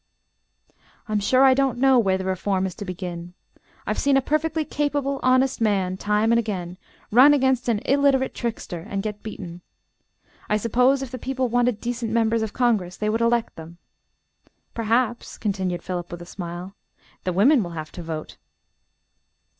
"I'm sure I don't know where the reform is to begin. I've seen a perfectly capable, honest man, time and again, run against an illiterate trickster, and get beaten. I suppose if the people wanted decent members of congress they would elect them. Perhaps," continued Philip with a smile, "the women will have to vote."